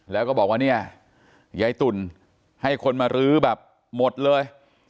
แล้วก็บอกว่าเนี่ยยายตุ่นให้คนมารื้อแบบหมดเลย